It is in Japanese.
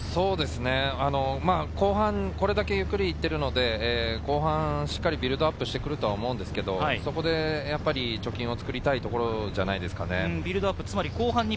後半これだけゆっくり行っているので、後半しっかりビルドアップしてくると思うんですけれど、そこで貯金を作りたいところじゃないですか。